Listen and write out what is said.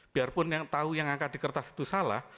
biarpun yang tahu yang angkat di kertas itu salah